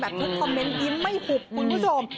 ทุกคอมเมนต์ยิ้มไม่หุบคุณผู้ชม